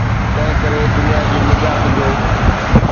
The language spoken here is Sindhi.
تنهنڪري دنيا جي نجات جو.